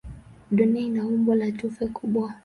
Dunia ina umbo la tufe kubwa.